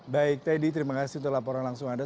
baik teddy terima kasih untuk laporan langsung anda